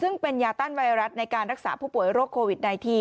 ซึ่งเป็นยาต้านไวรัสในการรักษาผู้ป่วยโรคโควิด๑๙